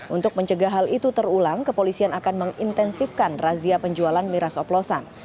untuk mencegah hal itu terulang kepolisian akan mengintensifkan razia penjualan miras oplosan